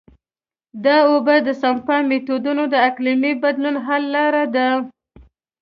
د اوبو د سپما میتودونه د اقلیمي بدلون حل لاره ده.